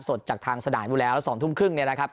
สดจากทางสนามอยู่แล้วแล้ว๒ทุ่มครึ่งเนี่ยนะครับ